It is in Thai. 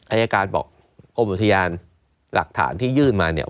อายการบอกกรมอุทยานหลักฐานที่ยื่นมาเนี่ย